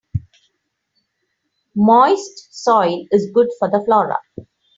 Moist soil is good for the flora.